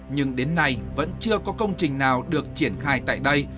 nhưng đến nay vẫn chưa có công trình nào được triển khai tại đây